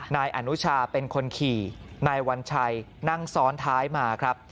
นายอนุชาเป็นคนขี่นายวัญชัยนั่งซ้อนท้ายมาครับ